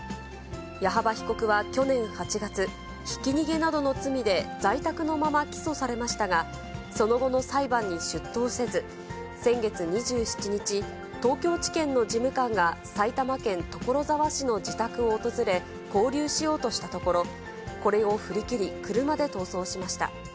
矢幅被告は去年８月、ひき逃げなどの罪で、在宅のまま起訴されましたが、その後の裁判に出頭せず、先月２７日、東京地検の事務官が埼玉県所沢市の自宅を訪れ、勾留しようとしたところ、これを振り切り、車で逃走しました。